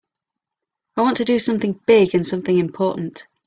I want to do something big and something important.